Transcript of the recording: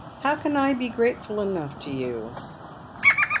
How can I be grateful enough to you